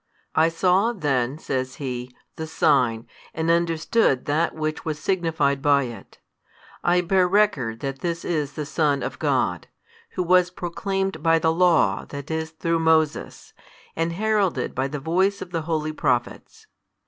I saw then, says he, the sign, and understood That Which was signified by it. I bear record that this is the Son of God, Who was proclaimed by the Law that is through Moses, and heralded by the voice of the holy Prophets.